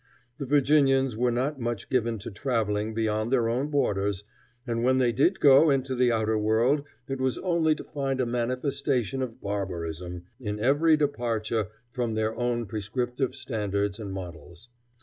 The Virginians were not much given to travelling beyond their own borders, and when they did go into the outer world it was only to find a manifestation of barbarism in every departure from their own prescriptive standards and models.